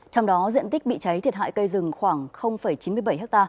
trong đó diện tích bị cháy thiệt hại cây rừng khoảng chín mươi bảy ha